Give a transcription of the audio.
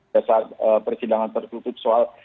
saat persidangan tertutup soal